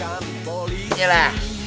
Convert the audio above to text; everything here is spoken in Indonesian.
eh ya allah